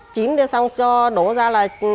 chín đi xong cho đổ ra là